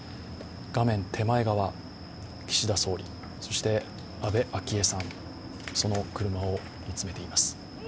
画面手前側、岸田総理、安倍昭恵さん、その車を見つめています。